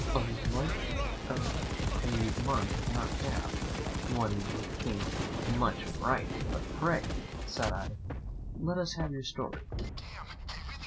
"A life of a month cannot have, one would think, much variety. But pray," said I, "let us have your story."